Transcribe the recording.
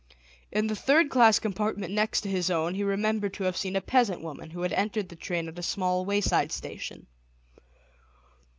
In the third class compartment next to his own he remembered to have seen a peasant woman, who had entered the train at a small wayside station.